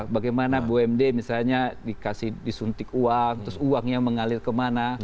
bagaimana bumd misalnya dikasih disuntik uang terus uangnya mengalir kemana